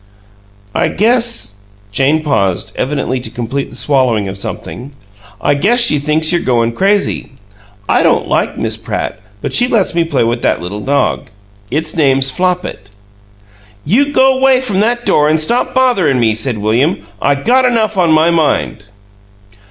"I guess" Jane paused, evidently to complete the swallowing of something "I guess she thinks you're goin' crazy. I don't like Miss Pratt, but she lets me play with that little dog. It's name's Flopit!" "You go 'way from that door and stop bothering me," said William. "I got enough on my mind!"